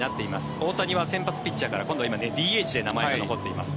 大谷は先発ピッチャーから今度はＤＨで名前が残っています。